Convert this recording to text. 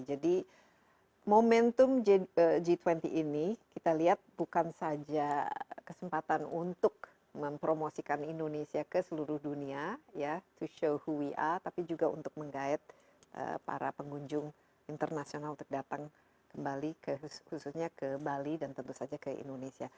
jadi momentum g dua puluh ini kita lihat bukan saja kesempatan untuk mempromosikan indonesia ke seluruh dunia to show who we are tapi juga untuk mengait para pengunjung internasional untuk datang ke bali khususnya ke bali dan tentu saja ke indonesia